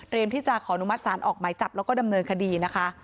ที่จะขออนุมัติศาลออกหมายจับแล้วก็ดำเนินคดีนะคะ